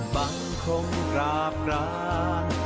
บังคงกราบกราน